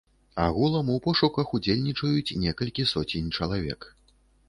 Агулам у пошуках удзельнічаюць некалькі соцень чалавек.